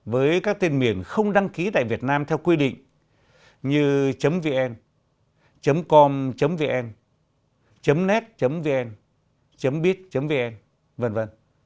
với các tên miền không đăng ký tại việt nam theo quy định như vn com vn net vn bit vn v v